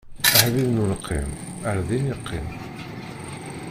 Aḥbib n ulqim, ar din iqqim!